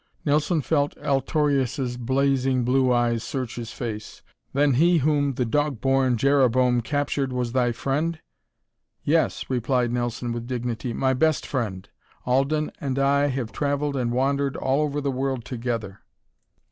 Nelson felt Altorius' blazing blue eyes search his face. "Then he whom the dog born Jereboam captured was thy friend?" "Yes," replied Nelson with dignity, "my best friend. Alden and I have traveled and wandered all over the world together."